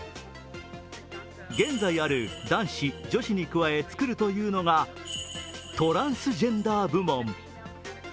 現在ある男子、女子に加えつくるというのが、トランスジェンダー部門。